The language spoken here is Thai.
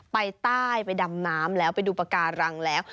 ไปใต้ไปดำน้ำแล้วไปดูปากการังแล้ว